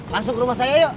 langsung ke rumah saya yuk